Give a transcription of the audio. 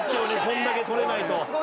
これだけ取れないと」